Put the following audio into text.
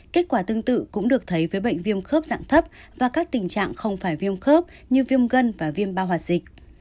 kết quả tương tự cũng được thấy với bệnh viêm khớp dạng thấp và các tình trạng không phải viêm khớp như viêm gân và viêm bao hoạt dịch